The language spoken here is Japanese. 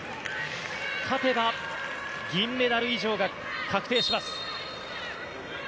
勝てば銀メダル以上が確定します。